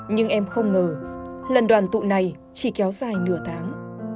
nhưng em không ngờ lần đoàn tụ này chỉ kéo dài nửa tháng